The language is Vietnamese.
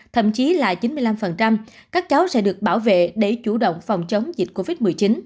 thậm chí là chín mươi năm các cháu sẽ được bảo vệ để chủ động phòng chống dịch covid một mươi chín